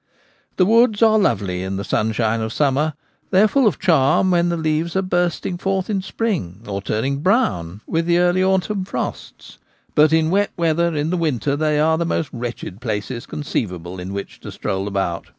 The woods are lovely in the sunshine of summer ; they are full of charm when the leaves are bursting forth in spring or turning brown witji the early autumn frosts ; but in wet weather in the winter they are the most wretched places conceivable in which to stroll about.